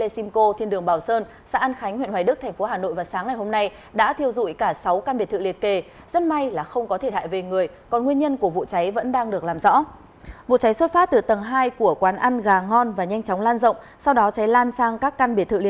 xin chào và hẹn gặp lại